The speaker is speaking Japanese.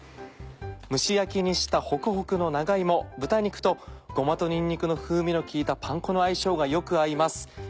蒸し焼きにしたほくほくの長芋豚肉とごまとにんにくの風味の効いたパン粉の相性がよく合います。